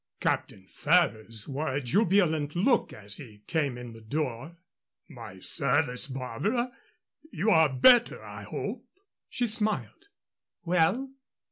Captain Ferrers wore a jubilant look as he came in the door. "My service, Barbara. You are better, I hope." She smiled. "Well?"